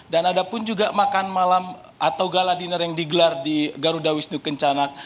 dan ada pun juga makan malam atau gala diner yang digelar di garuda wisnu kencana